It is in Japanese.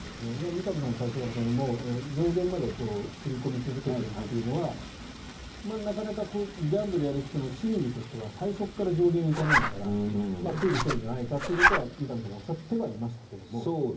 三上さんも最初から上限まで振り込み続けているというのはなかなかギャンブルやる人の心理としては最初から上限はいかないからプールしてるんじゃないかとは三上さんも言ってましたが。